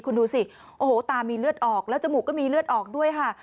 คุณดูสิโอ้โหตามีเลือดออกแล้วจมูกก็มีเลือดออกด้วยค่ะ